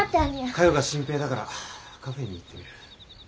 かよが心配だからカフェーに行ってみる。